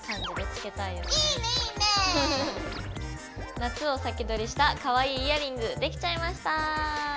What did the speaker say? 夏を先取りしたかわいいイヤリングできちゃいました！